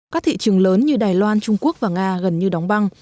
các thị trường lớn như đài loan trung quốc và nga gần như đóng băng